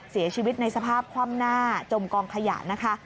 เสียชีวิตในสภาพคว่ำหน้าจมกองขยะนะคะ